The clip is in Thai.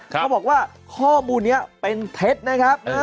เขาบอกว่าข้อมูลนี้เป็นเท็จนะครับ